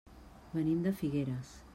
Venim de Figueres.